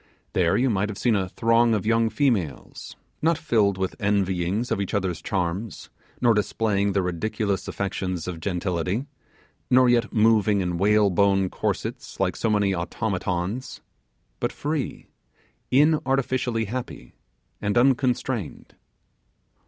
There you might have seen a throng of young females, not filled with envyings of each other's charms, nor displaying the ridiculous affectations of gentility, nor yet moving in whalebone corsets, like so many automatons, but free, inartificially happy, and unconstrained.